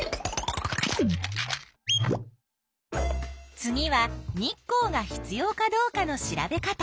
次は日光が必要かどうかの調べ方。